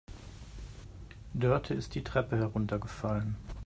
Dörte ist die Treppe heruntergefallen.